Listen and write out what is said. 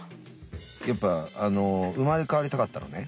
やっぱあの生まれ変わりたかったのね。